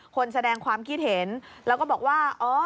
คนแสดงความคิดเห็นแล้วก็บอกว่า